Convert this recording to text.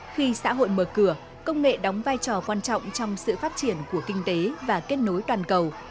khi xã hội mở cửa công nghệ đóng vai trò quan trọng trong sự phát triển của kinh tế và kết nối toàn cầu